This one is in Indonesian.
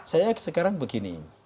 saya sekarang begini